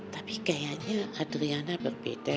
tapi kayaknya adriana berbeda